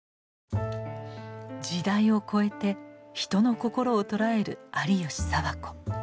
時代を超えて人の心を捉える有吉佐和子。